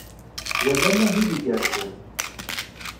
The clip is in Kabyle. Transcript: Wa d amahil igerrzen.